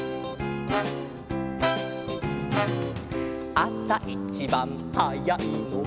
「あさいちばんはやいのは」